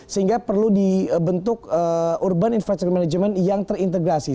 sehingga perlu dibentuk urban investment management yang terintegrasi